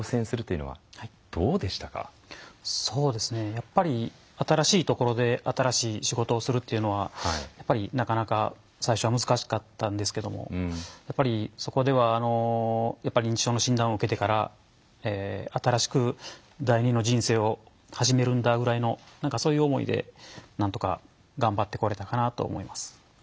やっぱり新しいところで新しい仕事をするっていうのはなかなか最初は難しかったんですけどもそこでは認知症の診断を受けてから新しく第２の人生を始めるんだぐらいの何かそういう思いでなんとか頑張ってこれたかなと思います。